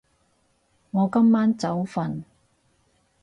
我今晚早瞓